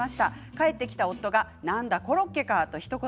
帰ってきた夫が何だ、コロッケかひと言。